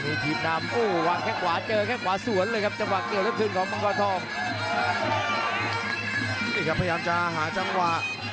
โอ้ยต่อยมันวางแค่งเอ้า